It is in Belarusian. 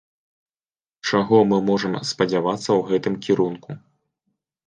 Чаго мы можам спадзявацца ў гэтым кірунку?